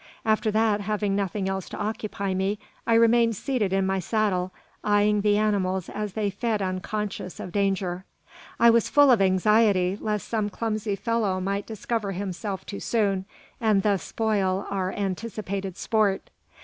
After that, having nothing else to occupy me, I remained seated in my saddle, eyeing the animals as they fed unconscious of danger. I was full of anxiety lest some clumsy fellow might discover himself too soon, and thus spoil our anticipated sport.